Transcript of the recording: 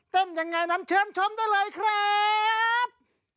เต้นอย่างไรนั้นเชิญชมได้เลยครับ